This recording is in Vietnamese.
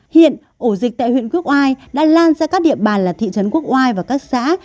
hiện ổ dịch tại huyện quốc oai đã lan ra các địa bàn là thị trấn quốc oai và các xã